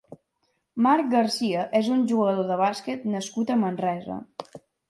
Marc García és un jugador de bàsquet nascut a Manresa.